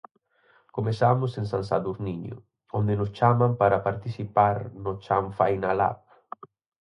Comezamos en San Sadurniño, onde nos chaman para participar no Chanfainalab.